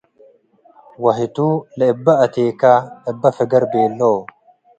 ወህቱ፤ “ለእበ' አቴከ እበ' ፍገር!” ቤሎ'"።